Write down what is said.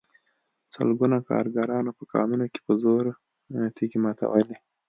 سلګونو کارګرانو په کانونو کې په زور تېږې ماتولې